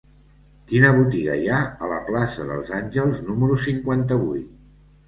Quina botiga hi ha a la plaça dels Àngels número cinquanta-vuit?